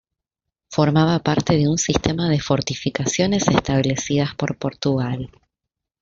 Formaba parte de un sistema de fortificaciones establecidas por Portugal.